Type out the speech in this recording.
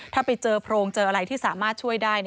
ถ้าไปเจอโพรงเจออะไรที่สามารถช่วยได้